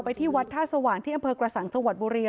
ที่วัดท่าสว่างที่อำเภอกระสังจังหวัดบุรี